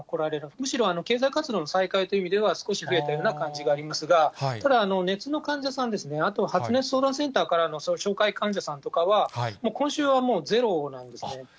むしろ経済活動の再開という意味では少し増えたような感じはありますが、ただ熱の患者さんですね、あと、発熱相談センターからの紹介患者さんとかは、もう今週はゼロなんですね。